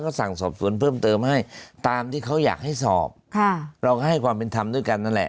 ก็สั่งสอบสวนเพิ่มเติมให้ตามที่เขาอยากให้สอบค่ะเราก็ให้ความเป็นธรรมด้วยกันนั่นแหละ